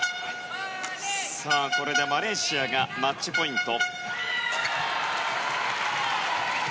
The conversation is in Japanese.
これでマレーシアがマッチポイント。